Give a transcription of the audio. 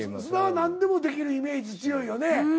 菅田は何でもできるイメージ強いよね。